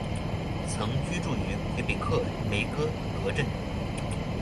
曾居住于魁北克梅戈格镇。